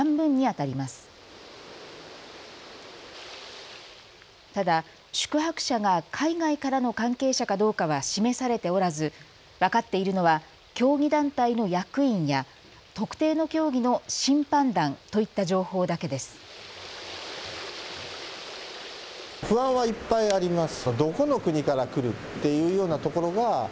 ただ宿泊者が海外からの関係者かどうかは示されておらず分かっているのは競技団体の役員や特定の競技の審判団といった情報だけです。